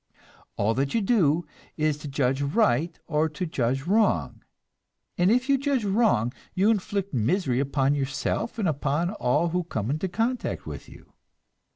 All that you do is to judge right or to judge wrong; and if you judge wrong, you inflict misery upon yourself and upon all who come into contact with you.